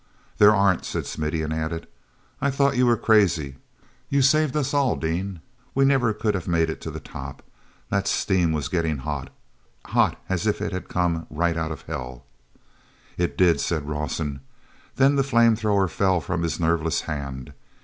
"There aren't," said Smithy, and added: "I thought you were crazy. You've saved us all, Dean; we never could have made it to the top. That steam was getting hot—hot as if it had come right out of hell." "It did," said Rawson. Then the flame thrower fell from his nerveless hand.